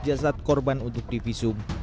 jasad korban untuk divisum dan mencari anaknya